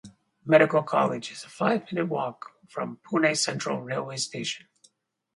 Medical College is a five-minute walk from Pune central railway station.